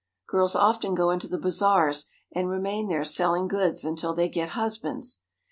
Girls often go into the bazaars, and remain there selling goods until they get husbands.